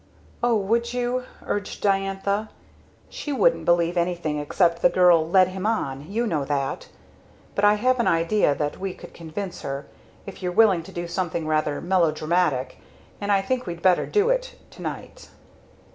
"O would you?" urged Diantha. "She wouldn't believe anything except that the girl 'led him on' you know that. But I have an idea that we could convince her if you're willing to do something rather melodramatic and I think we'd better do it to night!"